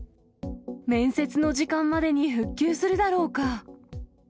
面接の時間までに復旧するだろうか？